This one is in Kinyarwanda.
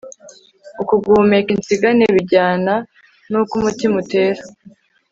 uku guhumeka insigane bijyana n'uko umutima utera